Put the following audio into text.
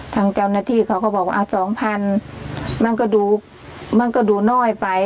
ทางเจ้าหน้าที่เขาก็บอกว่า๒๐๐๐มันก็ดูมันก็ดูน้อยไป